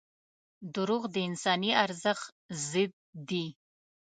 • دروغ د انساني ارزښت ضد دي.